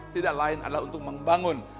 tidak lain adalah untuk membangun